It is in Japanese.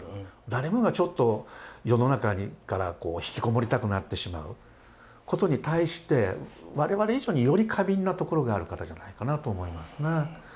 誰もがちょっと世の中から引き籠もりたくなってしまうことに対して我々以上により過敏なところがある方じゃないかなと思いますね。